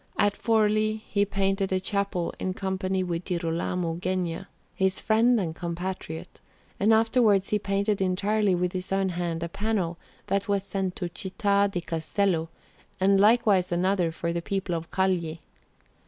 At Forlì he painted a chapel in company with Girolamo Genga, his friend and compatriot; and afterwards he painted entirely with his own hand a panel that was sent to Città di Castello, and likewise another for the people of Cagli.